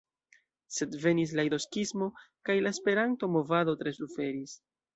Sed venis la Ido-skismo, kaj la Esperanto-movado tre suferis.